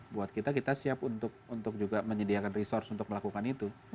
buat kita kita siap untuk juga menyediakan resource untuk melakukan itu